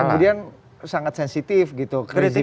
kemudian sangat sensitif gitu